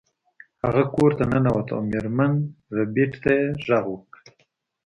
هغه کور ته ننوت او میرمن ربیټ ته یې غږ کړ